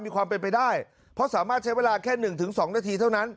มีความเป็นไปได้เพราะสามารถใช้เวลาแค่๑๒นาทีเท่านั้น